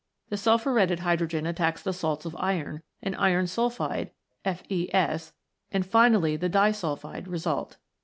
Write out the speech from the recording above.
The sulphu retted hydrogen attacks the salts of iron, and iron sulphide (FeS), and finally the disulphide, result.